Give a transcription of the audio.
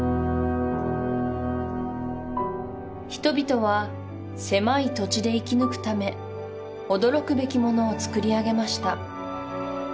人々は狭い土地で生き抜くため驚くべきものを造り上げました